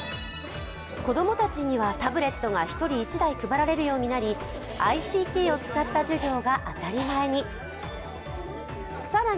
子供たちにはタブレットが１人１台配られるようになり、ＩＣＴを使った授業が当たり前に。